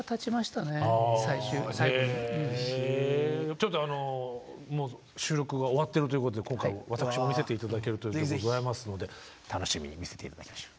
ちょっとあのもう収録が終わってるということで今回私も見せて頂けるということでございますので楽しみに見せて頂きましょう。